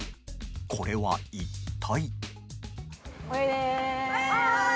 これは一体？